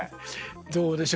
どうでしょうね？